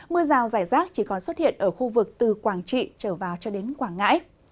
mưa rào rải rác chỉ còn xuất hiện ở khu vực từ quảng trị trở vào cho đến quảng ngãi